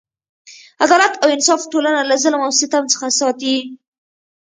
عدالت او انصاف ټولنه له ظلم او ستم څخه ساتي.